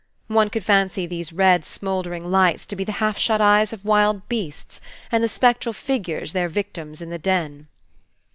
One could fancy these red smouldering lights to be the half shut eyes of wild beasts, and the spectral figures their victims in the den."